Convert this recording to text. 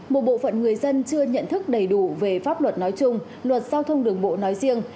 một bộ phận người dân chưa nhận thức đầy đủ về pháp luật nói chung luật giao thông đường bộ nói riêng